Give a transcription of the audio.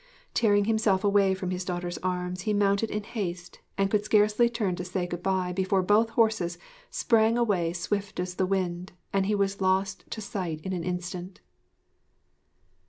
Tearing himself from his daughter's arms he mounted in haste, and could scarcely turn to say good bye before both horses sprang away swift as the wind and he was lost to sight in an instant.